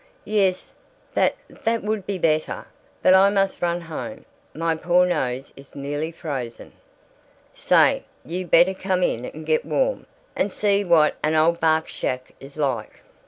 "Yes that that would be better. But I must run home. My poor nose is nearly frozen." "Say, you better come in and get warm, and see what an old bach's shack is like."